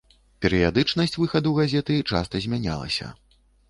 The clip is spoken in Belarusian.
Перыядычнасць выхаду газеты часта змянялася.